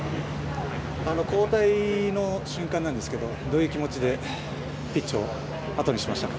交代の瞬間なんですがどういう気持ちでピッチをあとにしましたか。